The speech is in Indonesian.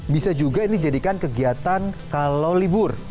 bisa juga ini jadikan kegiatan kalau libur